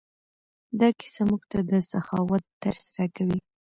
دا کیسه موږ ته د سخاوت درس راکوي.